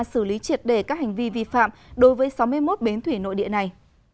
xử lý triệt đề các hành vi vi phạm đối với sáu mươi một bến thủy nội địa này